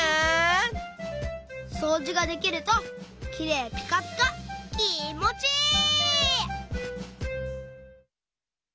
そうじができるときれいピカピカきもちいい！